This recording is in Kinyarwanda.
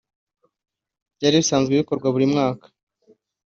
etc) byari bisanzwe bikorwa buri mwaka